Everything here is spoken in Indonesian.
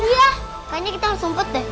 makanya kita harus ompet deh